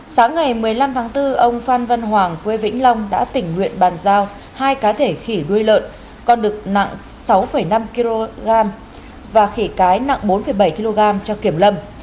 sáng ngày một mươi năm tháng bốn ông phan văn hoàng quê vĩnh long đã tỉnh nguyện bàn giao hai cá thể khỉ đuôi lợn con đực nặng sáu năm kg và khỉ cái nặng bốn bảy kg cho kiểm lâm